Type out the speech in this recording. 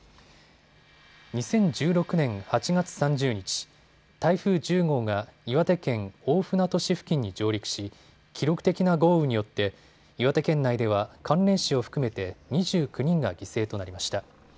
２０１６年８月３０日、台風１０号が岩手県大船渡市付近に上陸し記録的な豪雨によって岩手県内では関連死を含めて２９人が犠牲となりました。